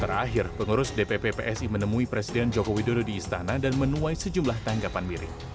terakhir pengurus dpp psi menemui presiden joko widodo di istana dan menuai sejumlah tanggapan miring